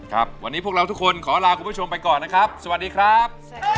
ครับวันนี้พวกเราทุกคนขอลาคุณผู้ชมไปก่อนนะครับสวัสดีครับ